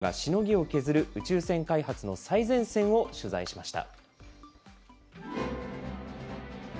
世界の企業がしのぎを削る宇宙船開発の最前線を取材しました。